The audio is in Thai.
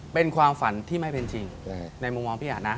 เป็นความฝันที่ไม่เป็นจริงในมุมมองพี่อันนะ